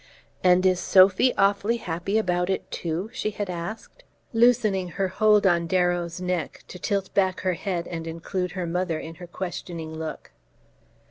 "And is Sophy awfully happy about it too?" she had asked, loosening her hold on Darrow's neck to tilt back her head and include her mother in her questioning look.